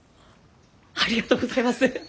ありがとうございます！